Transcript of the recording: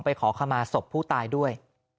ขอขมาศพผู้ตายด้วย